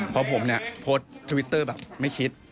เพราะผมเนี่ยโพสต์ทวิตเตอร์แบบไม่คิด